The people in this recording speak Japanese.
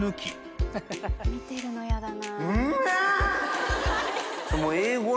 見てるの嫌だな。